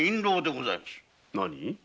何？